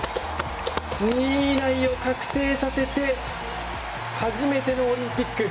２位以内を確定させて初めてのオリンピック。